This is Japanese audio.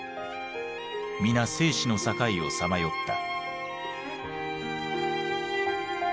皆生死の境をさまよった。